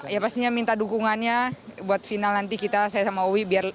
ya pastinya minta dukungannya buat final nanti kita saya sama uwi